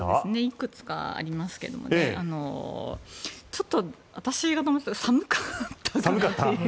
いくつかありますけどもちょっと私が泊まっていたのは寒かったので。